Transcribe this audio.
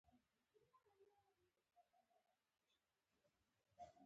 خبره که ښه وي، هر زخم دوا ده.